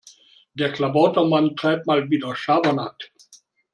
Der Klabautermann treibt mal wieder Schabernack.